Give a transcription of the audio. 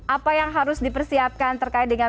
apa yang harus dipersiapkan terkait dengan